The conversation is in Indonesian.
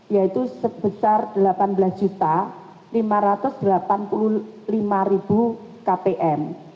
yaitu sebesar delapan belas lima ratus delapan puluh lima kpm